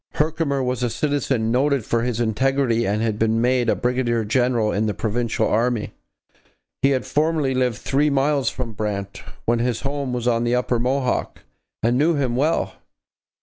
Herkimer was a citizen noted for his integrity and had been made a brigadier general in the provincial army. He had formerly lived three miles from Brant, when his home was on the upper Mohawk, and knew him well.